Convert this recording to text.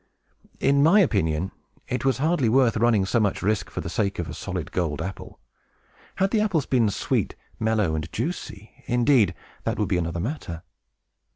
In my opinion it was hardly worth running so much risk for the sake of a solid golden apple. Had the apples been sweet, mellow, and juicy, indeed that would be another matter.